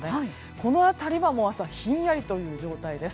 この辺りは朝はひんやりという状況です。